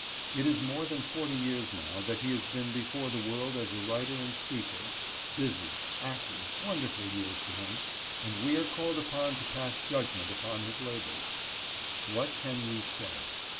It is more than forty years now that he has been before the World as a writer and speaker — busy, active, wonderful years to him— and we are called upon to pass judgment upon his labors. What can we say?